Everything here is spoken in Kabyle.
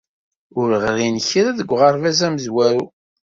Ur ɣrin kra deg uɣerbaz amezwaru.